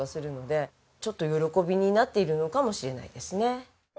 ちょっと喜びになっているのかもしれないですね。